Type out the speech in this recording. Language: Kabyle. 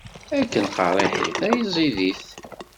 Akken qeṛṛiḥit ay ẓidit.